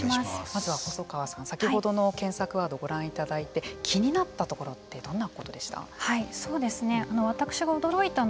まずは細川さん先ほどの検索ワードをご覧いただいて気になったところってどんなことでした？